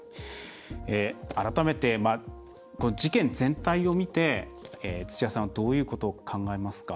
改めて、事件全体を見て土屋さんどういうことを考えますか？